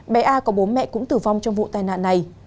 bé a có bố mẹ cũng tử vong trong vụ tai nạn này